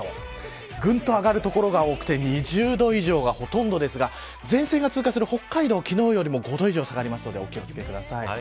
ぐんと上がる所が多くて２０度以上がほとんどですが前線が通過する北海道は昨日よりも５度以上下がりますのでお気を付けください。